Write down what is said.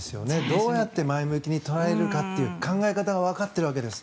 どうやって前向きに捉えるかという考え方がわかっているわけです。